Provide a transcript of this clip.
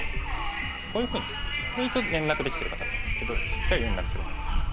こういうふうにこれ一応連絡できてる形なんですけどしっかり連絡するのか。